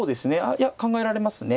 いや考えられますね。